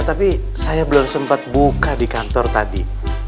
tapi saya belum sempat buka di kantor tadi